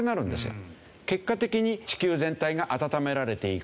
結果的に地球全体が暖められていく。